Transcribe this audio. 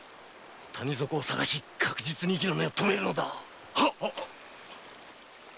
谷底を探し確実に息の根を止めるのだ！